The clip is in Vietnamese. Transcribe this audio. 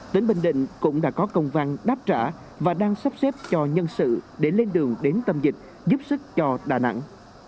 tỉnh bình định cũng đã có công văn đáp trả và đang sắp xếp cho nhân sự để lên đường đến tâm dịch giúp sức cho đà nẵng